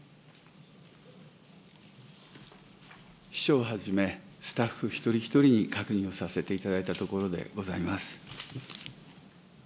秘書をはじめ、スタッフ一人一人に確認をさせていただいたところでございます。